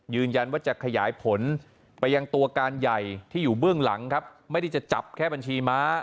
ยืนยันว่าจะขยายผลไปยังตัวการใหญ่ที่อยู่เบื้องหลังครับไม่ได้จะจับแค่บัญชีม้า